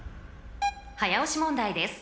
［早押し問題です